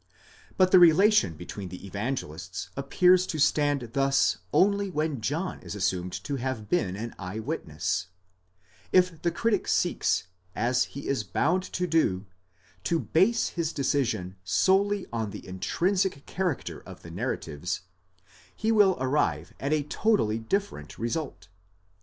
But the relation between the Evangelists appears to stand thus only when John is assumed to have been an eye witness ; if the critic seeks, as he is bound to do, to base his decision solely on the intrinsic character of the narratives, he will arrive at a totally different result.